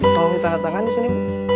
mau minta tangan disini